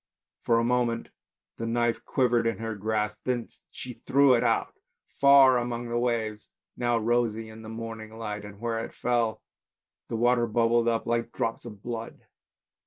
— For a moment the knife quivered in her grasp, then she threw it far out among the waves now rosy in the morning light and where it fell the water bubbled up like drops of blood.